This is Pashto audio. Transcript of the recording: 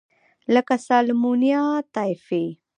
لکه سالمونیلا ټایفي.